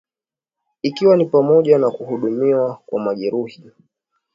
ikiwa pamoja na kuhudumiwa kwa majeruhi